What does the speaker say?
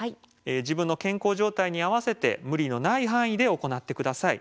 自分の健康状態に合わせて無理のない範囲で行ってください。